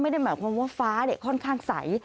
ไม่ได้หมายความว่าฟ้าค่อนข้างใส